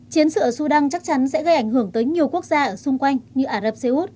chiến sự ở sudan chắc chắn sẽ gây ảnh hưởng tới nhiều quốc gia ở xung quanh như ả rập xê út